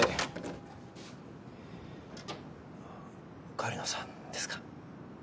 狩野さんですか？